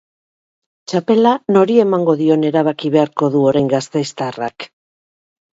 Txapela nori emango dion erabaki beharko du orain gasteiztarrak.